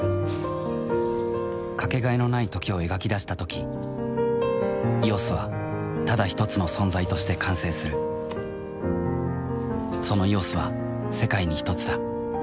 かけがえのない「時」を描き出したとき「ＥＯＳ」はただひとつの存在として完成するその「ＥＯＳ」は世界にひとつだ